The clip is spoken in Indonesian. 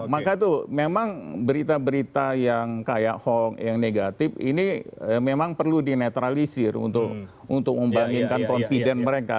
maka tuh memang berita berita yang kayak hoax yang negatif ini memang perlu dinetralisir untuk membanginkan confident mereka